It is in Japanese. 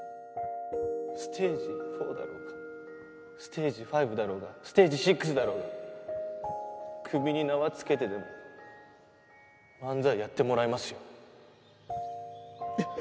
ステージ４だろうがステージ５だろうがステージ６だろうが首に縄つけてでも漫才やってもらいますよ。